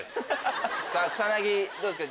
草薙どうですか？